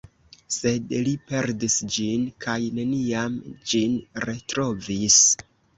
Sed li perdis ĝin kaj neniam ĝin retrovis.